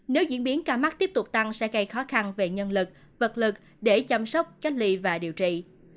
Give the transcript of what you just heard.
nếu diễn biến ca mắc tiếp tục tăng sẽ gây khó khăn về nhân lực vật lực để chăm sóc chất ly và điều trị